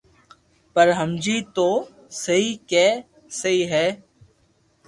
پر ھمجي تو سھي ڪي سھي ھي